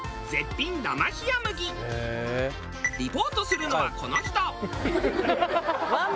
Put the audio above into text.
リポートするのはこの人。